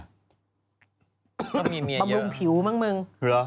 ก็มีเมียเยอะหรือหรือบำรุงผิวบ้างมึง